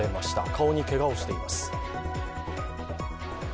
顔にけがをしています。